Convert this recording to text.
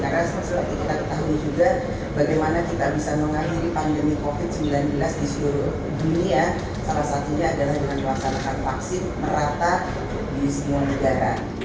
karena seperti kita ketahui juga bagaimana kita bisa mengakhiri pandemi covid sembilan belas di seluruh dunia salah satunya adalah dengan melaksanakan vaksin merata di seluruh negara